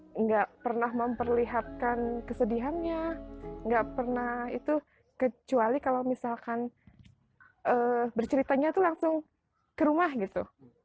tidak pernah memperlihatkan kesedihannya nggak pernah itu kecuali kalau misalkan berceritanya itu langsung ke rumah gitu